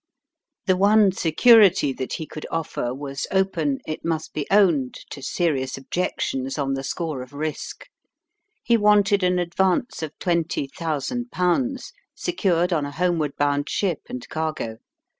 The one security that he could offer was open, it must be owned, to serious objections on the score of risk. He wanted an advance of twenty thousand pounds, secured on a homeward bound ship and cargo.